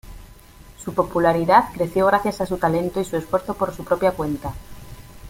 Su popularidad creció gracias a su talento y su esfuerzo por su propia cuenta.